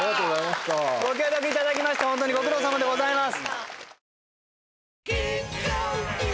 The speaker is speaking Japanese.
ご協力いただきましてほんとにご苦労さまでございます。